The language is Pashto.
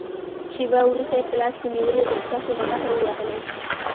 شېبه وروسته يې په لاس کې نیولې دستکشې له کټه ووهلې.